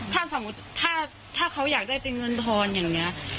ถ้าสมมุติถ้าเขาอยากได้เป็นเงินทอนอย่างนี้